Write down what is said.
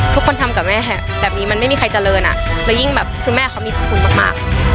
ทำกับแม่แบบนี้มันไม่มีใครเจริญอ่ะแล้วยิ่งแบบคือแม่เขามีพระคุณมาก